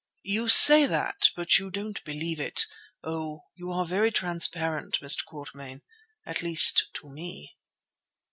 "You say that, but you don't believe it. Oh! you are very transparent, Mr. Quatermain—at least, to me."